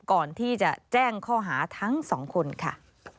ก่อนที่จะแจ้งข้อหาทั้งสองคนค่ะ